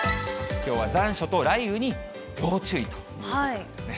きょうは残暑と雷雨に要注意ということなんですね。